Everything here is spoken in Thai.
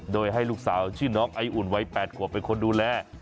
โดยให้ลูกสาวชื่อน้องไออุ่นวัย๘ขวบเป็นคนดูแล